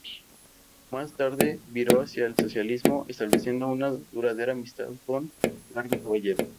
Más tarde viró hacia el socialismo, estableciendo una duradera amistad con Largo Caballero.